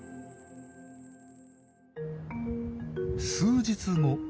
数日後。